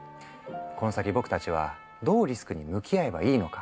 この先僕たちはどうリスクに向き合えばいいのか？